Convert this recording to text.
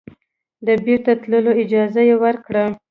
د بیرته تللو اجازه یې ورکړه.